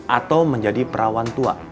atau menjadi perawan tua